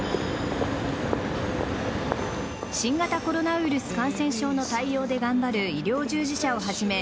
新型コロナウイルス感染症の対応で頑張る医療従事者をはじめ